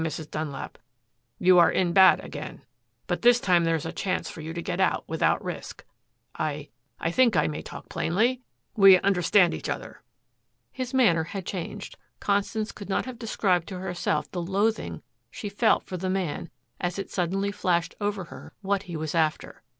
Mrs. Dunlap, you are in bad again. But this time there is a chance for you to get out without risk. I I think I may talk plainly? We understand each other!" His manner had changed. Constance could not have described to herself the loathing she felt for the man as it suddenly flashed over her what he was after.